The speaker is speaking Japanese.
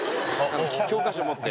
教科書持って。